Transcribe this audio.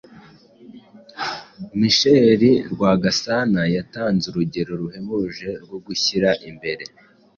Michel Rwagasana yatanze urugero ruhebuje rwo gushyira imbere